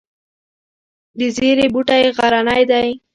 د زیرې بوټی غرنی دی